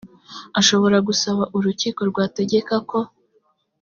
ashobora gusaba urukiko rwategeka ko